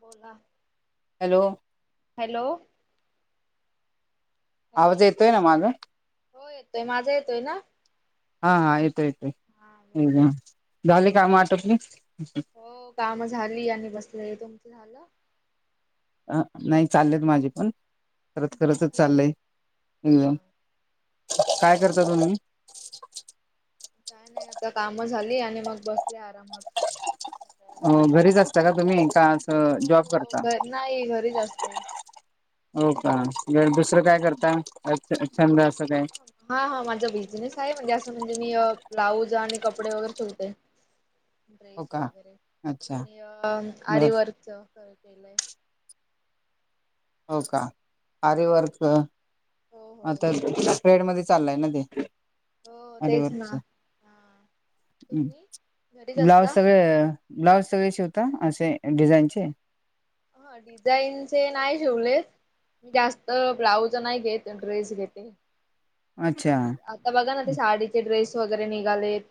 बोला, hello hello! Hello आवाज येतोय ना माझा हो येतोय माझा येतोय ना हा हा येतो येतोय हा बोला. झाले काम आटपली हो काम झाली आणि बसलं तुमच झालं अ नाही चाललेत माझे पण खरच खरचच चाललंय एकदम हा काय करता तुम्ही काय नाही आता काम झाली आणि मग बसले आरामात कॉल अ आला. घरीच असता का तुम्ही का अस हो जॉब हो करता घर नाही घरीच असते. हो का दुसरं काय करताछ छंद अस हा हा माझा बिझनेस आहे म्हणजे म्हणजे मी ब्लाऊज आणि कपडे वगैरे शेवते हो ड्रेस का वगैरे अच्छा आणि अ बर आरवर्कच केलंय हो का हा आरवर्क हो हो आता ट्रेड मध्ये चाललाय ना ते हो तेच अवर् ना. हा. हम् तुम्ही घरीच ब्लावज असता सगळे ब्लाउज सगळे शिवता असे डिझाईनचे हा डिझाईनचे नाही जेवलेत मी जास्त ब्राऊज नाही घेत ड्रेस घेते अच्छा आता बघा ना ते साडीचे ड्रेस वगैरे निघालेत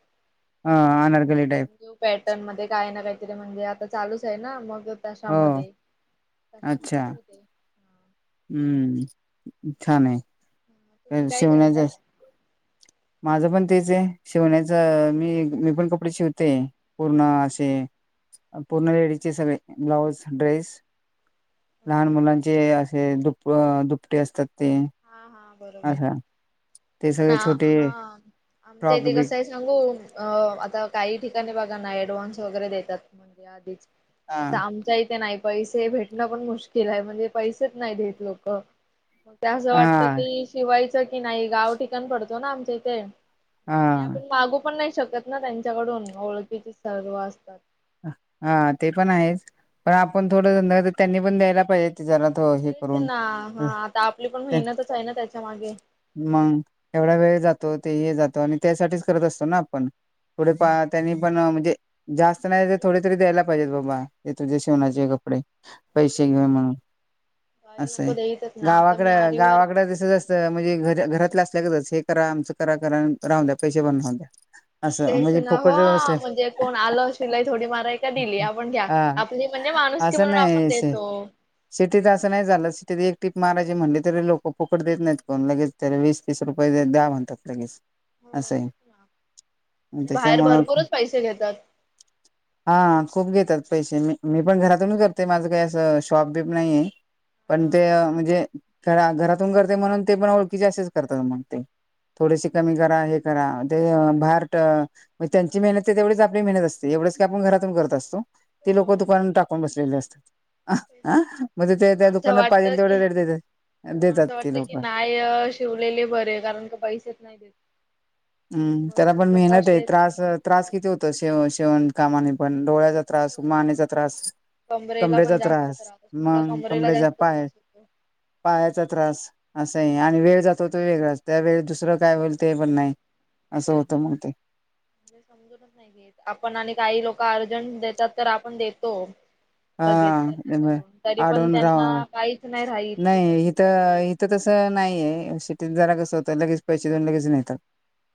हा अनारकली टाईप घेऊ पॅटर्न मध्ये काय ना का म्हणजे आता चालूच आहे ना मग हो तशामध्ये तशामध्ये सुरते हम्मच्छान आहे तुम्ही काय करता शिवनाच्या माझं पण तेच पूर्ण लहान अच्छा मुलांचे हा हा बरोबर असं ते पण सगळे छोटे हा आमच्या फ्रॉक बिक इथे बघाना ऍडव्हान्स वगैरे देतात हा तसा आमच्या इथे नाही पैसे भेटणं पण ते असं वाटतं हा की शिवायचं की नाही गाव ठिकाण पडतो ना आमच्या इथे आणि हा आपण मागू पण नाही शकत ना त्यांच्याकडून ओळखीचे सर्व असतात हा ते पण आहेच पण आपण थोडं त्यांनी पण द्यायला पाहिजे ते जरा थो हे तेच करून ना हा आता आपली पण मेहनतच आहे ना त्याच्या मागे मग तो नाही तर समजून थोडे तरी असं काही लोक देतच ना आता मी आरीवर आहे करा आमचं असं तेस म्हणजे ना फुकट असले शिलाई थोडी माराय हा असं नाही शे सिटीत असं नाही एक टीप मारायची म्हणटली तरी लोक पुकड देत नाहीत कोण लगेच त्या वीस तीस रुपय द्या म्हणतात लगेच असं आहे बाहेर त्याच्यामुळं भरपूरच पैसे घेतात हा खूप घेतात पैसे पण हा ते खरंच. म्हणजे घरातून करते म्हणून ते पण ओळखीचे असशीच करतात मग ते. थोडेशी कमी करा हे करा. म्हणजे त्यांची मेहनत आहे तेवढीच आ एवढंच की आपण घरातून करत असतो, ते लोक हो तेच दुकानून टाकून बसलेले असतात. तेच हा ना. म्हणजे ते त्या दुकानात पाहिजे तेवढे की रेट देत. मग असं वाटत की नाय शिवलेले बरे, कारण पैसेच नाही ना. हम्म त्याला पण मेहनत आहे त्रास नाही त्रास किती पैसेच नाही होतेव शेवण कामाने पण. डोळ्याचा देत. त्रास, हो. मानेचा त्रास. कमरेला कमरेच्या पण जास्त त्रास, मला मग कमरेला कमरेचा जास्त पाय. त्रास होतो. पायाचा त्रास असा आहे, आणि वेळ जातोतो वेगळाच. त्यावेळी दुसरं काय होईल ते पण नाही. असं होतं मग ते आपण आणि काही लोक, जफार देतात तर आपण देतो. हा लगेच त्यांना करून तरी पण आडून राहा त्यांना काहीच नाही रात ते नाही पैसे इथं त्यावेळी, इथं नाहीये शेटत जरा कसं होत लगेच पैसे देऊन लगेच मिळतात.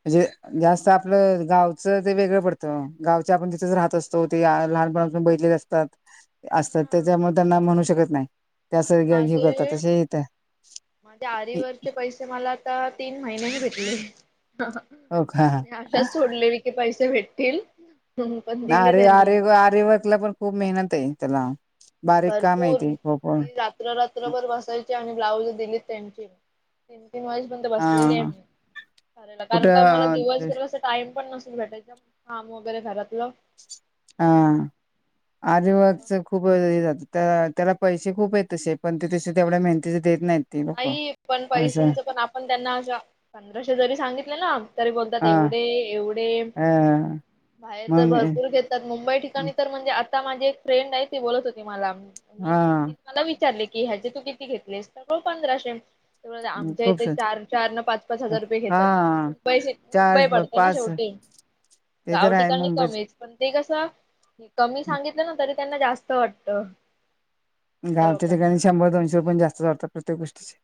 म्हणजे जास्त आपलं गावचं ते वेगळं पडतं गावचे आपण तिथंच राहत असतो ते, लपणाून बैलेले असतात असतात हा त्याच्यामुळे त्यांना म्हणू शकत नाही. त्या असं घेऊ माझे करतात तसे येत माझे आरी वर्क चे पैसे मला आता तीन महिने ह भेट. हो का अशाच सोडलेली की पैसे भेटतील. पण दिले अरे त्यांनी आरे आरेवर्कला पण खूप म्हणत आहे त्याला. बारीक काम आहे भरपूर... ते खूप मी रात्र रात्रभर बसायची आणि ब्लाउज दिले त्यांचे. तीन तीन वाजेपर्यंत बसलेली आहे, हा मी कुठं कारण मला दिवसभर टाईम पण नसतो. बेठे काम वगैरे घरात हा मग आजिबाजच खूप हे जात त्या त्याला पैसे खूप आहेत तसे पण ते तसे तेवढ्या माहती आई पण पैशांचं पण आपण त्यांना असं पंधराशे जरी सांगितले ना, तरी बोलतात हा एवढे एवढे... अ बाहेर तर मग भरपूर घेतात मुंबई ठिकाणी तर म्हणजे, आता माझी एक फ्रेंड आहे ती बोलत होती मला, मी हा मला विचारले की ह्याचे तू किती घेतलेस? होय पंधराशे. आमच्या खूप इथे स चार चार न पाच पाच हजार रुपये घेतात हा पैसे चार मुंबई पडते ना पाच शेवटी ते तर गाव आहे ठिकाणी मुंबईत कमीच पण ते कस कमी सांगितलं ना तरी, त्यांना जास्त वाटत. गावच्या ठिकाणी शंभर दोनशे पण जास्त प्रत्येक गोष्टीची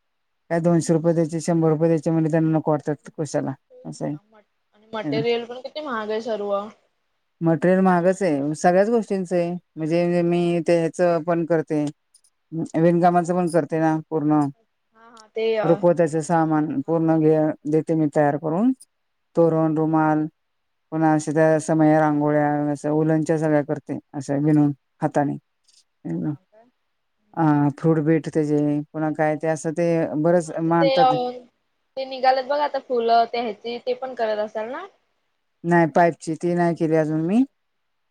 काय दोनशे रुपये द्यायचे शंभर रुपये द्यायचे म्हणजे त्यांना नको वाटतात. कशाला असं तेच आहे. ना आणि मटेरियल पण किती महाग आहे सर्व. मटेरियल महागच आहे सगळ्याच गोष्टी म्हणजेे मी ते हे च पण करते, कोणतं? विणकामाचं पण करते ना पूर्ण. हा हा ते अ हा रुकवत्याचे सामान हा पूर्ण घे हा देते मी. तयार करून तोरण, रुमाल, पुन्हा असे त्या समया, रांगोळ्या अस, उलन च्या सगळ्या करते असं विनून हाताने. हा काय? हा फ्रुट बीट त्याचे पुन्हा काय ते असत? हा ते ते निघाल्यात बघा आता फुलं त्या ह्याची ते पण करत असाल ना. नाही पाईपची ती नाही केली अजून मी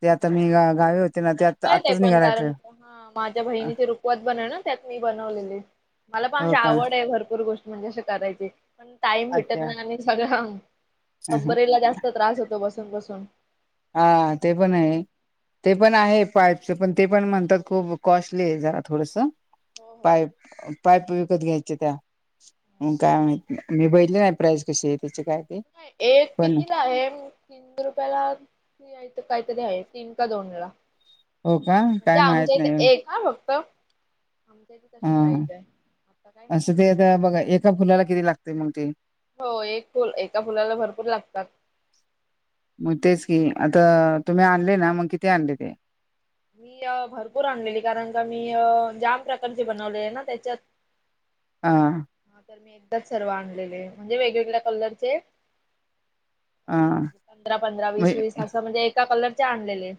ते आता मी गावी होते. ना आता सोपं आहे ते आताच पण निघाला कारण ट्रेन हा माझ्या बहिणी च रुखवत बनल होत ना त्यात मी बनवलेले. मला पण अशी हो का आवड आहे भरपूर गोष्ट म्हणजे, असे करायची पण टाईम भेटत नाही अच्छा आणि सगळं कंबरेला जास्त त्रास होतो बसून बसून. हा ते पण आहे ते पण आहे. पाईपच पण, ते पण म्हणतात खूप कॉस्टली आहे, जरा थोडस हो हो. पाईप पाईप विक विकत त घ्यायचे त्या हा काय म माहिती मी बघितलं नाही, काय प्राईज कशी आहे त्याची काय? ते एक पण कितीला आहे? तीन रुपयला इथं काहीतरी हाय तीन का दोन ला. हो का म्हंजे काय माहित आमच्या इथे नाही एक हा फक्तं. हा असं ते आता बघा एका फुलाला किती लागतंय मगं ते? हो एक फुल एका फुलाला भरपूर लागतात. हम्म आता तुम्ही आणले ना मग किती आणले ते? मी अ भरपूर आणलेली कारण का मी जाम प्रकारचे बनवलेले ना त्याच्यात. हा. हा तर मी एकदाच सर्व आणलेले म्हणजे वेगवेगळ्या कलरचे. हा म्हणजे पंधरा पंधरा वीस म्हणजे वीस असं म्हणजे एका कलरचे आणलेले.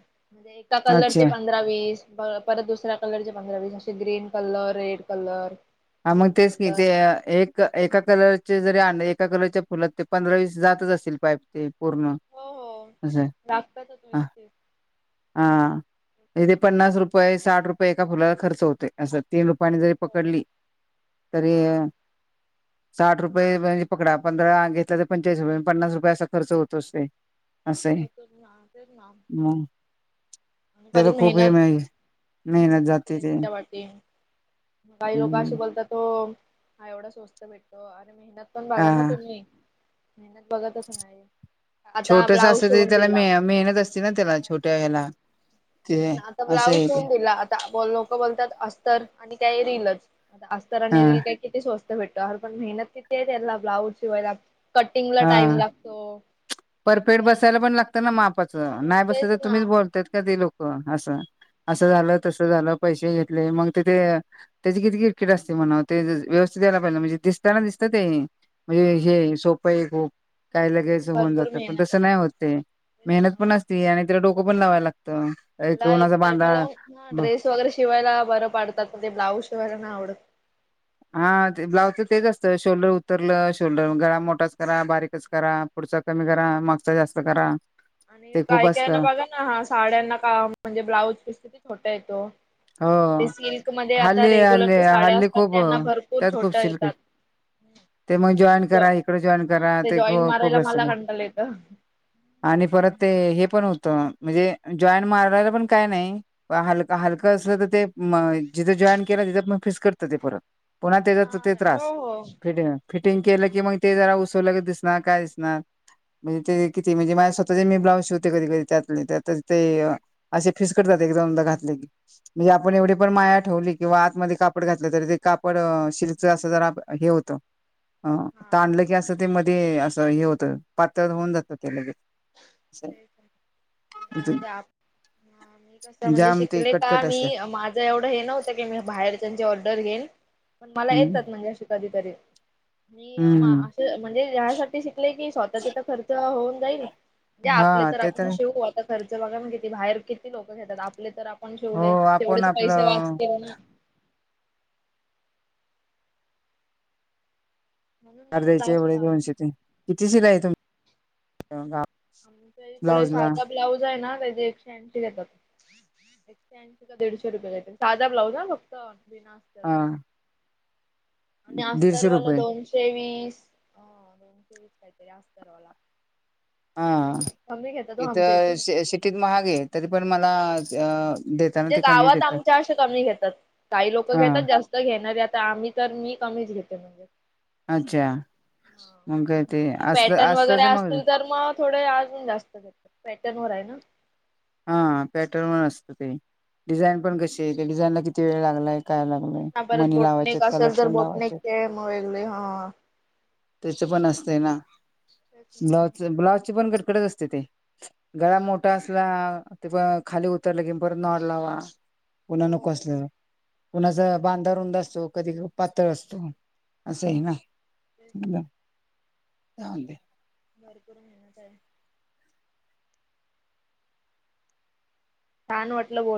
एका कलरचे अच्छा पंधरा वीस. प परत दुसऱ्या कलरचे पंधरा वीस असे ग्रीन कलर, रेड कलर. हा मग पिंक तेच की कलर ते एक एका कलर त ते जरी आणले एका कलरच्या फुलात ते पंधरा वीस जातच असतील पाईप ते. पूर्ण हो हो. असं आहे लागतातच वीस ह. तीस हा इथे पन्नास रुपये, साठ रुपये, एका फुलाला खर्च होतय असं तीन रुपये रूपयांनी जरी हो पकडली तरी हा अ- साठ रुपये म्हणजे पकडा पंधरा घेतला तर, पंचेचाळीस रुपये पन्नास रुपये असा खर्च होतच ते. असं आहे हो तोच ना तेच ना. मग परत त्याला खूप हे मेहनत, मे- मेहनत किती जाते आहे ते त्याच्या पाठी. काही लोक अशे हम्म बोलतात हो हा एवढं स्वस्त भेटतो, अरे मेहनत पण हा बघा ना तुम्ही. मेहनत बघतच नाही आता छोटस ब्लाउज असलं तरी त्याला मे मेहनत असते ना त्याला छोट्या ह्याला. ते तेच ना आता असं ब्लाउज आहे ते शिवून दिला, आता लोक बोलतात अस्तर आणि काय रिलच. आता अस्तर आणि हा रील काय किती स्वस्त भेटतो. अरे पण मेहनत किती आहे त्याला ब्लाउज शिवायला. कटिंग ला टाईम हा लागतो. परफेक्ट परत बसायला पण लागतं ना मापाचं, हो नाही बसल तेच तर तुम्हीच ना बोलताय का ते लोकं. हो असं असं झालं तस झालं. पैसे घेतले मगं तिथे त्याची किती किट किट असते, म्हणावं अ व्यवस्थित यायला पाहिजे म्हणजे दिसताना तते म्हणजे हा हे सोपंय खूप काय पण लगेचं होऊन जा भरपूर त पण मेहनत तसं आहे. नाही होत ते तेच मेहनत ना. पण असती आणि तिला डोकं पण लावायला लागतं मला एक कोणाचा बांधा टाईमला हा ड्रेस वगैरे शिवायला बरं पाडतात, मग ते ब्लाउज शिवायला नाही आवडतं. हा ब्लाउजच अ तेच असतं शोल्डर उतरलं शोल्डर ग गळा मोठाच करा बारीकच करा. ढचा कमी करा मागचा जास्त करा. आणि ते खूप काय कायना असतं बघा ना हा साड्यांना का म्हंजे ब्लाऊज पिस किती छोटा येतो. हो ते सिल्कमध्ये आता हल्ली हल्ली रेग्युलरच्या साड्या हल्ली असतात खूप अ, त्यांना भरपूर त्यात खूप छोट्या शिल्क आहे. येतात. ते मग म जॉईन करा इकडे जॉईन हा करा ते जॉईन खू खूप मारायला मला सगळं कंटाला येतं. [unintelligible] आणि परत ते हे पण होत म्हणजे जॉईन मारायला पण, काय नाही हलका हलका तर असल ते म अ जिथं जॉईन केलं तिथं म फिक्सटते ते परत. पुन्हा हा त्याचा त ते हो त्रास हो फिटिंग फिटिंग तेच केलं ना की मग ते जरा उस्क तो लगेच दिसणारं काय दिसणारं? म्हणजे ते किती म्हणजे माझ स्वतः जे मी ब्लाउज शिवते कधी कधी त्यातले त्या ते असे फिसकटतात. एक दोनदा घातले की. म्हणजे आपण एवढी पण माया ठेवली किंवा आतमध्ये कापड घातलं तरी ते कापड शिल्क ते असं जरा हे होतं. अ ताणलं की हा. असं ते मध्ये असं हे होतं पातळ होऊन जातं ते लगेच. तेच त जाऊ द्या आप, अ मी कसं म्हणजे जाम ते शिकले. का कटकट मी असं माझं एवढं हे नव्हतं की मी बाहेर त्यांची ऑर्डर घेईन पण मला हम्म येतात म्हणजे अशी कधीतरी मी हम्म असं म्हणजे यासाठी शिकले की स्वतःचे तर खर्च होऊन जाईल आपले हा तर ते आपण शिऊ आता खर्च बघा ना किती बाहेर किती लोक घेतात आपले तर पण हो शिवले आपण तेवढेच पैसे आपलं वाचते ना म्हणून मी अर्ध्याचे ब्लाऊज एवढ लावले दोनशे ते किती शिलाई आहे तुम आम थोडे सधा ब्लाऊज आहे ना तेजे एकशे ऐंशी घेतात एकशे ऐंशी का दीडशे रुपये घेतात साधा ब्लाउज हां फक्त बिना हा आस्तरच आणि दीडशे असतरवाला रुपये दोनशे वीस हं दोनशे वीस काहीतरी असतवाला हां इथ सिटीत महाग आहे. तरी पण मला अ देताना म्हणजे ते कमी गावात देतात. आमच्या असे कमी घेतात काही लोक हा घेतात जास्त घेणारे आता आम्ही तर मी कमीच घेते म्हणजे अच्छा मग ते असत पॅटर्न वगैरे असतच मग असतील तर मग थोडे अजून जास्त घेतो पॅटर्न वर आहे ना. हां पॅटर्न वर असतं ते डिझाईन पण कशी आहे ते डिझाईनला किती वेळ लागलाय काय तेच लागलंय ना परत मणी लावायचेत बोटनेक का असेल तर लटकन बोटनेक लावायचेत ते मग वेगळे हा त्याच पण असतय ना तेच ना ब्लाउज ब्लाउज [inaudible] असतय ते गळा मोठा आसला ते प खाली उतरलं के परत नॉट लावा कुणा नको हो असलेला, तेच कुणाचा बांधा रुंद असतो, कधी पातळ असतो. असंही हा ना भरपूर मेहनत आहे. छान म्हटलं बोलून